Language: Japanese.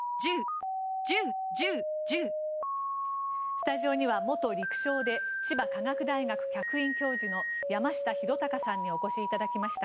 スタジオには元陸将で千葉科学大学客員教授の山下裕貴さんにお越しいただきました。